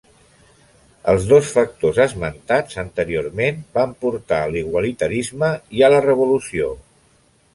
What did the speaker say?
Els dos factors esmentats anteriorment van portar a l'igualitarisme i a la revolució.